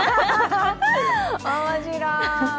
面白い。